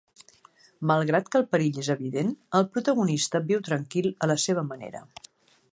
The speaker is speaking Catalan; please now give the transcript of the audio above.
Malgrat que el perill és evident, el protagonista viu tranquil a la seva manera.